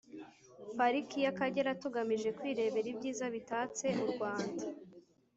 pariki y’akagera tugamije kwirebera ibyiza bitatse u rwanda